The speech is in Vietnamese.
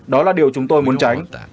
đó là điều chúng tôi muốn tránh